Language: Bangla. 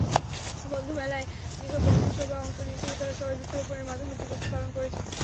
বন্ধুমেলায় যেসব বন্ধুসভা অংশ নিয়েছিল, তারা সবাই বৃক্ষরোপণের মাধ্যমে দিবসটি পালন কেরছে।